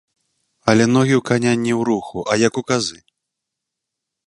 Але ногі ў каня не ў руху, а як у казы.